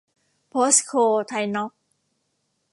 โพสโค-ไทยน๊อคซ์